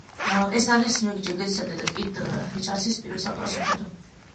ეს არის მიკ ჯეგერის და კით რიჩარდსის პირველი საავტორო სიმღერა.